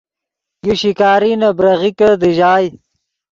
یو شکاری نے بریغیکے دیژائے